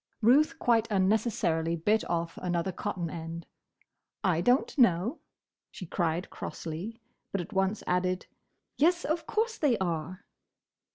Ruth quite unnecessarily bit off another cotton end. "I don't know!" she cried crossly; but at once added, "Yes, of course they are!"